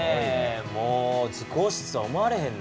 もう図工室とは思われへんな。